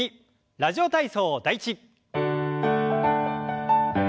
「ラジオ体操第１」。